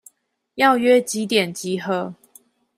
要約幾點集合？